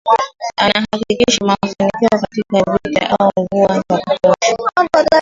Anahakikisha mafanikio katika vita au mvua za kutosha